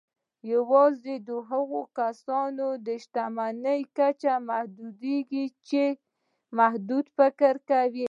يوازې د هغو کسانو د شتمني کچه محدودېږي چې محدود فکر کوي.